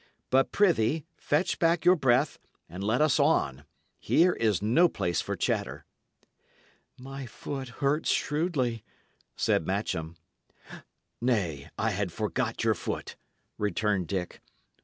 But, prithee, fetch back your breath, and let us on. Here is no place for chatter." "My foot hurts shrewdly," said Matcham. "Nay, I had forgot your foot," returned Dick.